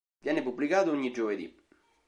Viene pubblicato ogni giovedì.